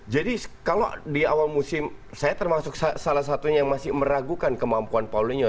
jadi kalau di awal musim saya termasuk salah satunya yang masih meragukan kemampuan paulinho